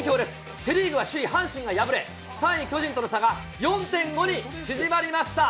セ・リーグは首位阪神が敗れ、３位巨人との差が４．５に縮まりました。